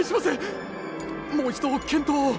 もう一度検討を！